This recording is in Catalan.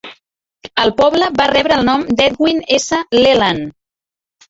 El poble va rebre el nom d'Edwin S. Leland.